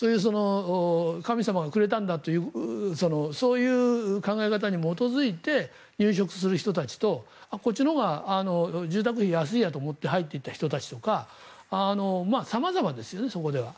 神様がくれたんだというそういう考え方に基づいて入植する人たちとこっちのほうが住宅費安いやと思って入っていった人たちとか様々ですよね、そこでは。